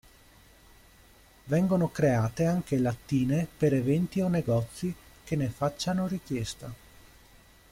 Vengono create anche lattine per eventi o negozi, che ne facciano richiesta.